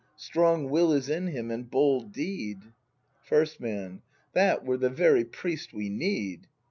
Strong will is in him, and bold deed. First Man. That were the very priest we need